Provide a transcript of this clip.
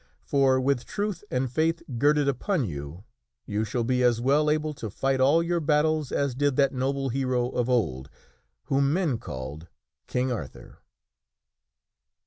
For with Truth and Faith girded upon you, you shall be as well able to fight all your battles as did that noble hero of old, whom men called King Arthur.